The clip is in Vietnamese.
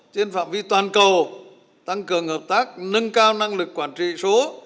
trên phạm vi toàn cầu tăng cường hợp tác nâng cao năng lực quản trị số